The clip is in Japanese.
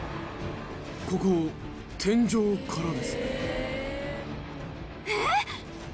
ここ天井からです。